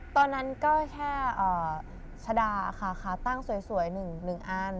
ตอนนั้นก็แค่ชะดาค่ะขาตั้งสวย๑อัน